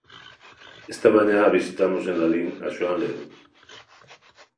E esta mañá visitamos en Lalín a Xoán Ledo.